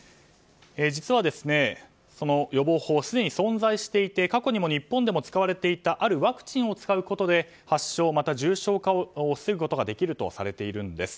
実は予防法、すでに存在していて過去にも日本で使われていたあるワクチンを使うことで発症、または重症化を防ぐことができるとされています。